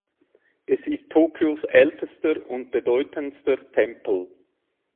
Es ist Tokios ältester und bedeutendster Tempel.